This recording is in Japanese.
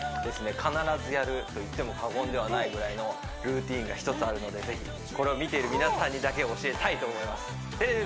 必ずやるといっても過言ではないぐらいのルーティンが１つあるので是非これを見ている皆さんにだけ教えたいと思いますイヤー！